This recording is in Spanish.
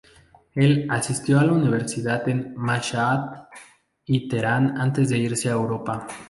Él asistió a la universidad en Mashhad y Teherán antes de irse a Europa.